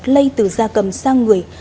lây từ da cầm sang người